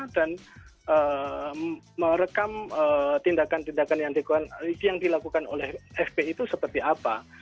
dan merekam tindakan tindakan yang dilakukan oleh fpi itu seperti apa